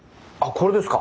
これですか？